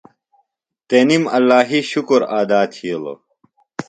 تنیم اللہِ شُکُر ادا تھیلوۡ۔